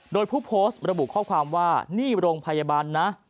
โดยผู้โพสต์ระบุข้อความว่านี่โรงพยาบาลนะ